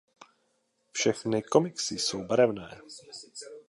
Všechny komiksy jsou barevné.